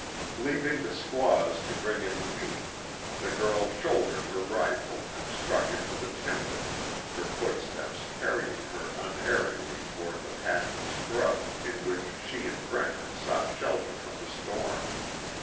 Leaving the squaws to bring in the meat, the girl shouldered her rifle and struck into the timber, her footsteps carrying her unerringly toward the patch of scrub in which she and Brent had sought shelter from the storm.